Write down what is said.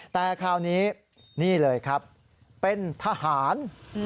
แต่คราวนี้นี่เลยครับเป็นทหาร